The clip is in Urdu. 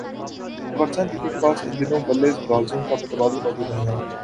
کہ پاکستان کرکٹ کے پاس ان دونوں بلے بازوں کا متبادل موجود نہیں ہے